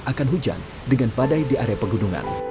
akan hujan dengan badai di area pegunungan